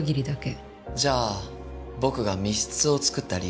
じゃあ僕が密室を作った理由は？